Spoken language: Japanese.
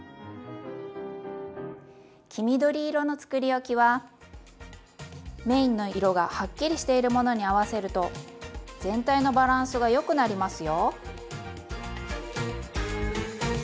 黄緑色のつくりおきはメインの色がはっきりしているものに合わせると全体のバランスがよくなりますよ。